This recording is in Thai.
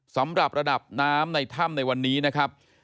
สำหรับระดับน้ำในถ้ำในวันนี้นะครับ